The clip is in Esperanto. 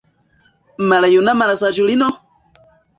Maljuna malsaĝulino?